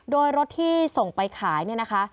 โดยรถที่ส่งไปขายนะคะ